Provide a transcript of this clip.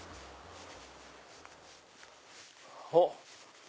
おっ！